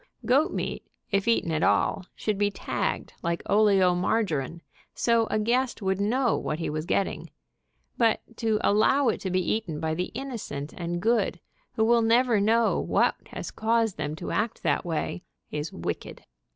Goat meat, if eaten at all, should be tagged, like oleomargarine, so a guest would know what he was getting, but to allow it to be eaten by the innocent and good, who will never know what has caused them to act that way, is wicked.